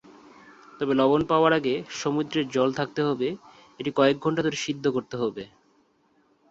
তবে লবণ পাওয়ার আগে সমুদ্রের জল থাকতে হবে এটি কয়েক ঘন্টা ধরে সিদ্ধ করতে হবে।